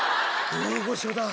大御所だ。